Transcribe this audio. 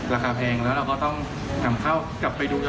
ราคาแพงแล้วเราก็ต้องสั่งเข้ากลับไปดู